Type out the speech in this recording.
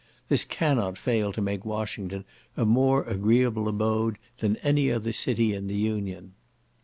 This cannot fail to make Washington a more agreeable abode than any other city in the Union.